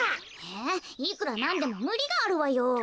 えいくらなんでもむりがあるわよ。